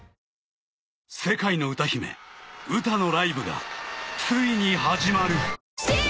［世界の歌姫ウタのライブがついに始まる！］